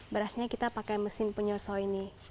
berasnya kita pakai mesin penyoso ini